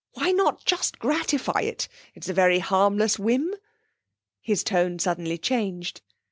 Why not just gratify it? It's a very harmless whim.' His tone suddenly changed.